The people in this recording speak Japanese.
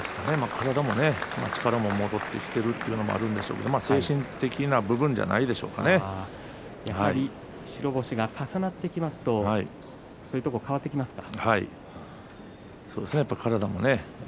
体も力も戻ってきているということもあるんでしょうし精神的な部分じゃ白星が重なってきますとそういうところが変わってきますか。